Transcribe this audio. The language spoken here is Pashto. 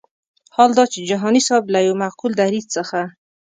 حال دا چې جهاني صاحب له یو معقول دریځ څخه.